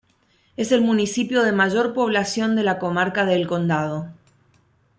Es el municipio de mayor población de la comarca de El Condado.